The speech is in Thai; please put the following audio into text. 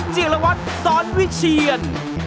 เจียรวรรดิซ้อนวิเชียน